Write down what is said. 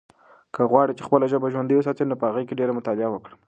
که غواړې چې خپله ژبه ژوندۍ وساتې نو په هغې کې ډېره مطالعه وکړه.